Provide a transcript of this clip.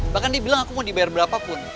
bahkan dia bilang aku mau dibayar berapa pun